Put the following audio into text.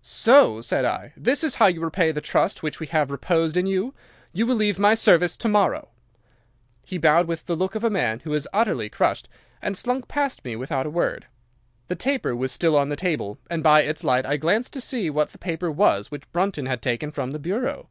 "'"So!" said I. "This is how you repay the trust which we have reposed in you. You will leave my service to morrow." "'He bowed with the look of a man who is utterly crushed, and slunk past me without a word. The taper was still on the table, and by its light I glanced to see what the paper was which Brunton had taken from the bureau.